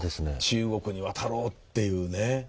中国に渡ろうっていうね。